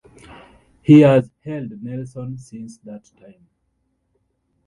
He has held Nelson since that time.